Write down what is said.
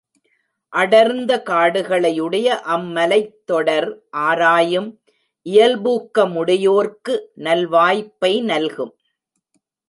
அடர்ந்த காடுகளையுடைய அம் மலைத்தொடர், ஆராயும் இயல்பூக்கமுடையோர்க்கு நல்வாய்ப்பை நல்கும்.